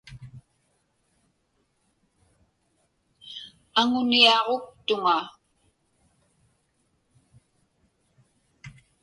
Aŋuniaġuktuŋa.